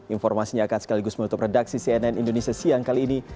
informasinya akan sekaligus menutup redaksi cnn indonesia siang kali ini